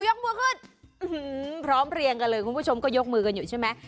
มือขึ้นพร้อมเรียงกันเลยคุณผู้ชมก็ยกมือกันอยู่ใช่ไหม